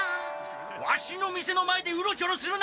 ワシの店の前でうろちょろするな！